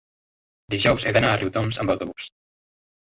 dijous he d'anar a Riudoms amb autobús.